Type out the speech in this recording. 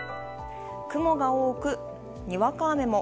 雲が多く、にわか雨も。